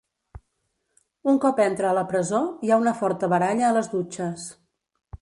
Un cop entra a la presó, hi ha una forta baralla a les dutxes.